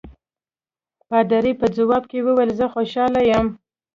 پادري په ځواب کې وویل زه خوشاله یم.